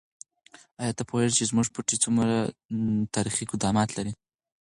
آیا ته پوهېږې چې زموږ پټی څومره تاریخي قدامت لري؟